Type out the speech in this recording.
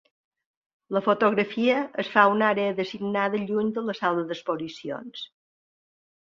La fotografia es fa a una àrea designada lluny de la sala d'exposicions.